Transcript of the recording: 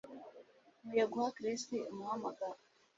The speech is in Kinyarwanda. Nkwiye guha Chris umuhamagaro